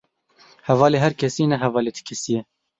Hevalê her kesî, ne hevalê ti kesî ye.